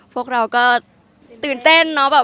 พวกเราก็ตื่นเต้นเนาะ